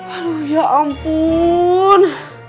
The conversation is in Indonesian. aduh ya ampun